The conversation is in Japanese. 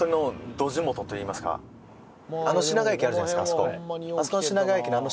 あの品川駅あるじゃないですかあそこ。